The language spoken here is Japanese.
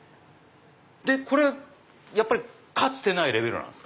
これやっぱりかつてないレベルなんですか？